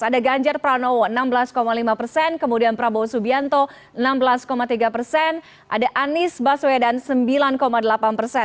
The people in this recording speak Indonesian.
ada ganjar pranowo enam belas lima persen kemudian prabowo subianto enam belas tiga persen ada anies baswedan sembilan delapan persen